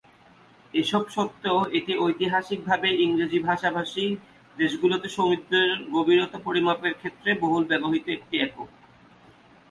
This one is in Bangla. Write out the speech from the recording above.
এসব সত্ত্বেও এটি ঐতিহাসিক ভাবে ইংরেজি ভাষাভাষী দেশগুলোতে সমুদ্রের গভীরতা পরিমাপের ক্ষেত্রে বহুল ব্যবহৃত একটি একক।